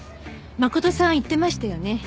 真琴さん言ってましたよね。